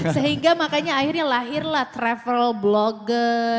sehingga makanya akhirnya lahirlah travel blogger